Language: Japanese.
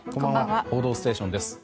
「報道ステーション」です。